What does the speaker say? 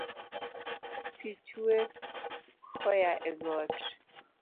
Pi chwer koya e got